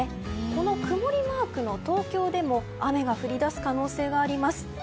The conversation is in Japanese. この曇りマークの東京でも雨が降り出す可能性があります。